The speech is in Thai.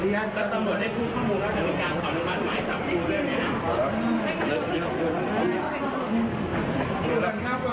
ยังไม่มีฝ่ายกล้อง